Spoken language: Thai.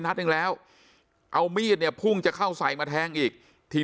นัดหนึ่งแล้วเอามีดเนี่ยพุ่งจะเข้าใส่มาแทงอีกที